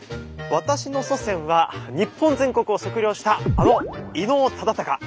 私の祖先は日本全国を測量したあの伊能忠敬。